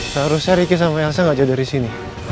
seharusnya ricky sama elsa ngajak dari sini